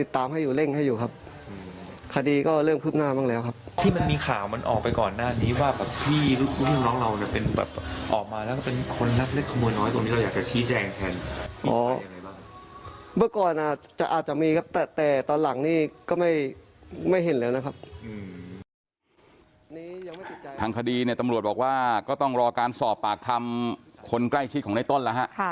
ทางคดีเนี่ยตำรวจบอกว่าก็ต้องรอการสอบปากคำคนใกล้ชิดของในต้นแล้วฮะ